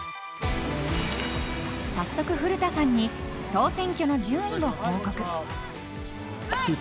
早速古田さんに総選挙の順位を報告。